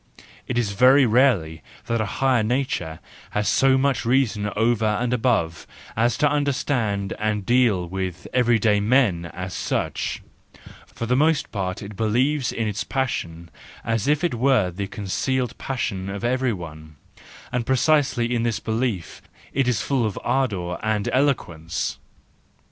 It is very rarely that a higher nature has so much reason over and above as to understand and deal with everyday men as such; for the most part it believes in its passion as if it were the concealed passion of every one, and precisely in this belief it is full of ardour and eloquence.